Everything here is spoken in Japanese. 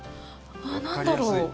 何だろう。